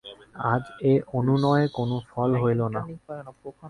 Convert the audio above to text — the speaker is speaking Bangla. আজ এ অনুনয়ে কোনো ফল হইল না।